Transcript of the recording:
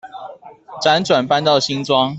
輾轉搬到新莊